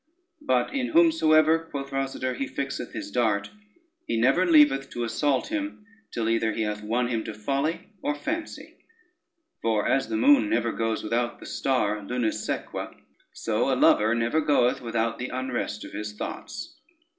But in whomsoever," quoth Rosader, "he fixeth his dart, he never leaveth to assault him, till either he hath won him to folly or fancy; for as the moon never goes without the star Lunisequa, so a lover never goeth without the unrest of his thoughts.